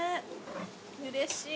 うれしい。